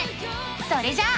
それじゃあ。